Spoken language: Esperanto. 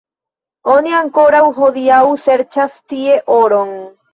Oni ankoraŭ hodiaŭ serĉas tie oron.